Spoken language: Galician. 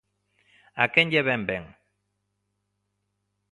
¿A quen lle vén ben?